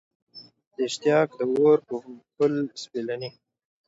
د اشتیاق د اور په پل سپېلني